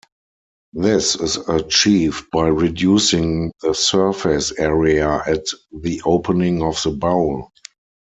This is achieved by reducing the surface area at the opening of the bowl.